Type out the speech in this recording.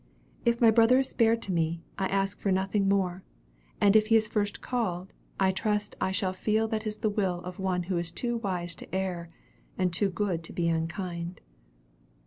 If my brother is spared to me, I ask for nothing more. And if he is first called, I trust I shall feel that it is the will of One who is too wise to err, and too good to be unkind."